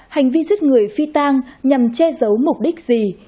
hành vi giết người phi tang nhằm che giấu mục đích gì